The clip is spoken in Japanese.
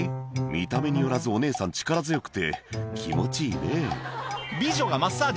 「見た目によらずお姉さん力強くて気持ちいいね」